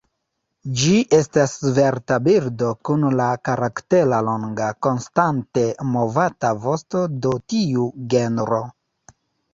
Ĝi estas svelta birdo, kun la karaktera longa, konstante movata vosto do tiu genro.